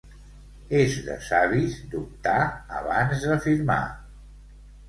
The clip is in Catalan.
És de savis dubtar abans de firmar.